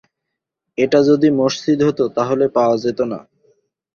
এটা যদি মসজিদ হত, তাহলে তা পাওয়া যেত না।